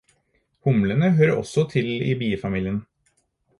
Humlene hører også til i biefamilien.